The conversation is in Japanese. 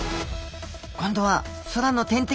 今度は空の天敵